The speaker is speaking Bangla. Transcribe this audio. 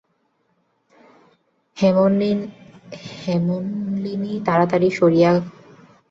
হেমনলিনী তাড়াতাড়ি সারিয়া লইয়া কহিল, উঁহার কাছে একজন ঝি রাখিলে ভালো হয় না?